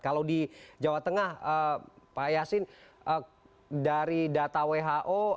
kalau di jawa tengah pak yasin dari data who